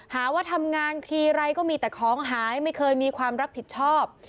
หาว่าทำงานทีไรก็มีแต่ของหายไม่เคยมีความรับผิดชอบ